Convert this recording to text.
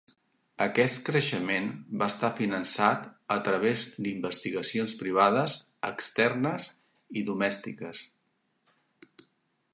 Aquest creixement va estar finançat a través d'investigacions privades, externes i domèstiques.